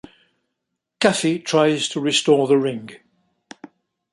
Caffey tries to restore the ring.